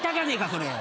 それ。